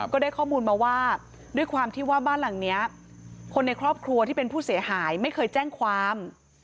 ก็ได้ข้อมูลมาว่าด้วยความที่ว่าบ้านหลังนี้คนในครอบครัวที่เป็นผู้เสียหายไม่เคยแจ้งความ